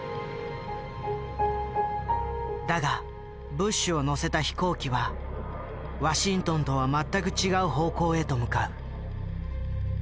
だがブッシュを乗せた飛行機はワシントンとは全く違う方向へと向かう。